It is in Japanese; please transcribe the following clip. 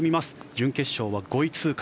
準決勝は５位通過。